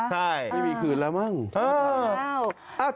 ใช่ไม่มีคืนแล้วมั้ง